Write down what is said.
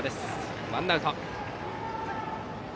ワンアウト。